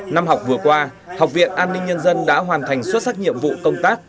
năm học vừa qua học viện an ninh nhân dân đã hoàn thành xuất sắc nhiệm vụ công tác